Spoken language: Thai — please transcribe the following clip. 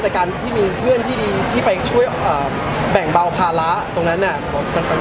แต่การที่มีเพื่อนที่ดีที่ไปช่วยแบ่งเบาภาระตรงนั้น